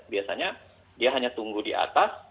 biasanya dia hanya tunggu di atas